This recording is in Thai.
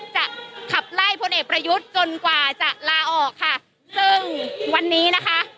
จะขับไล่พลเอกประยุทธ์จนกว่าจะลาออกค่ะซึ่งวันนี้นะคะ